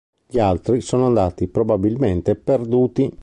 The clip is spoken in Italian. Gli altri sono andati, probabilmente, perduti.